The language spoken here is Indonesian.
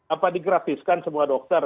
apa digrafiskan semua dokter